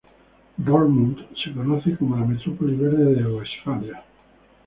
Dortmund se conoce como la "metrópoli verde" de Westfalia.